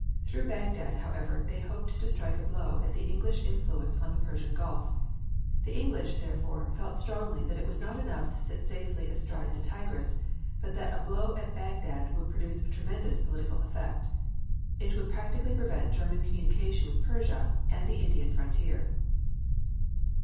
Through Bagdad, however, they hoped to strike a blow at the English influence on the Persian Gulf. The English, therefore, felt strongly that it was not enough to sit safely astride the Tigris, but that a blow at Bagdad would produce a tremendous political effect. It would practically prevent German communication with Persia, and the Indian frontier.